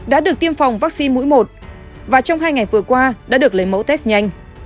đã được tiêm phòng vaccine mũi một và trong hai ngày vừa qua đã được lấy mẫu test nhanh